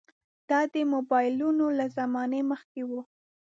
دا د موبایلونو له زمانې مخکې وو.